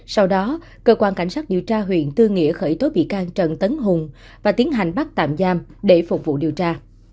sau đó cơ quan cảnh sát điều tra huyện tư nghĩa khởi tố bị can trần tấn hùng và tiến hành bắt tạm giam để phục vụ điều tra